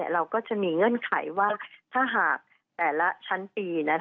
เราก็จะมีเงื่อนไขว่าถ้าหากแต่ละชั้นปี